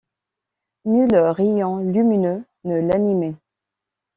Nul rayon lumineux ne l’animait.